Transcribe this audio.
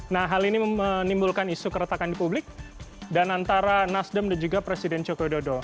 nah hal ini menimbulkan isu keretakan di publik dan antara nasdem dan juga presiden joko widodo